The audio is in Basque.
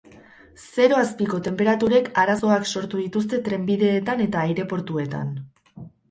Zeroz azpiko tenperaturek arazoak sortu dituzte trenbideetan eta aireportuetan.